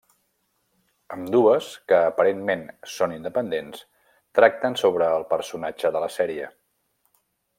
Ambdues, que aparentment són independents, tracten sobre el personatge de la sèrie.